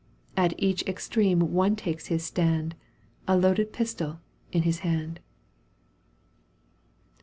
At each extreme one takes his stand, A loaded pistol in his hand.